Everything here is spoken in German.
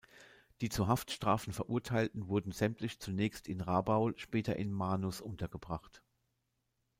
Die zu Haftstrafen Verurteilten wurden sämtlich zunächst in Rabaul, später in Manus untergebracht.